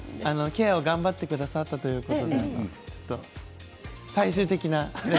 ケアを頑張ってくださったということでちょっと最終的な。